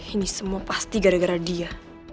ini semua pasti gara gara dia